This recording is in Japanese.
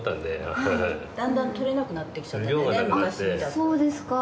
そうですか。